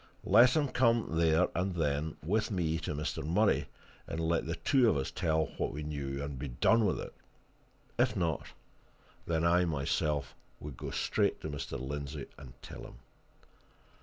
Let him come, there and then, with me to Mr. Murray, and let the two of us tell what we knew and be done with it: if not, then I myself would go straight to Mr. Lindsey and tell him.